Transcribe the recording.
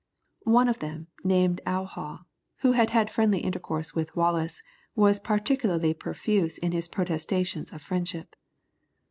One of them, named Owhaw, who had had friendly intercourse with Wallis, was particularly profuse in his protestations of friendship.